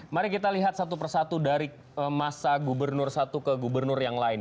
mari kita lihat satu persatu dari masa gubernur satu ke gubernur yang lain